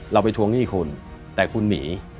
ไปทวงหนี้คุณแต่คุณหนี